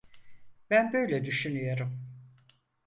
Ben böyle düşünüyorum.